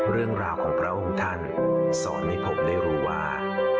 เรื่องราวของพระองค์ท่านสอนให้ผมได้รู้ว่า